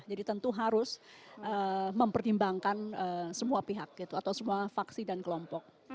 jadi tentu harus mempertimbangkan semua pihak gitu atau semua faksi dan kelompok